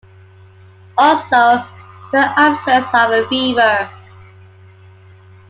Also, the absence of a fever.